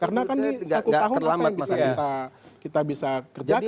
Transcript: karena kan ini satu tahun apa yang bisa kita kerjakan gitu